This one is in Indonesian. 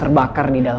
keuk pah charlies